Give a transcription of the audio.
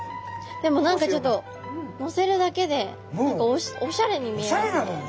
でも何かちょっとのせるだけでおしゃれに見えますね。